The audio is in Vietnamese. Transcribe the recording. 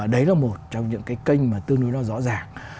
đấy là một trong những cái kênh mà tương đối nó rõ ràng